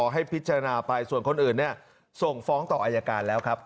ให้พิจารณาไปส่วนคนอื่นเนี่ยส่งฟ้องต่ออายการแล้วครับ